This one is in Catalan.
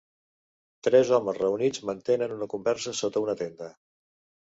Tres homes reunits mantenen una conversa sota una tenda